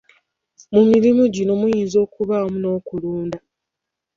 Mu mirimu gino muyinza okubaamu n’okulunda.